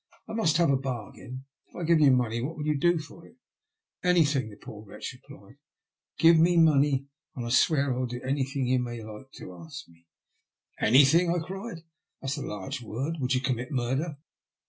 "I must have a bargain. If I give you money, what will you do for it ?" "Anything," the poor wretch replied. "Give mo money, and I swear I will do anything you may like to ask me." "Anything?" I cried. "That is a large word. Will you commit murder?"